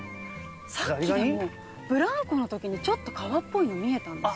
さっきブランコのときにちょっと川っぽいの見えたんです。